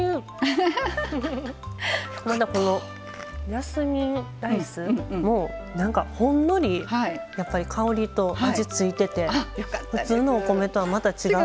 ジャスミンライスもほんのりやっぱり香りと味ついてて普通のお米とはまた違う。